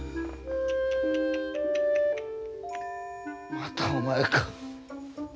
またお前か。